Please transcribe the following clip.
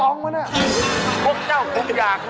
โอรถเชื้อกระสัด